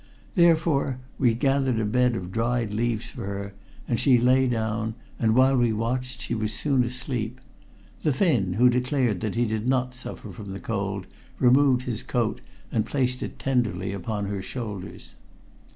Therefore we gathered a bed of dried leaves for her, and she lay down, and while we watched she was soon asleep. The Finn, who declared that he did not suffer from the cold, removed his coat and placed it tenderly upon her shoulders.